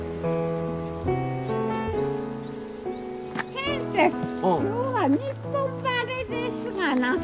先生今日はニッポン晴れですがな。